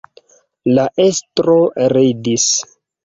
La estro ridis.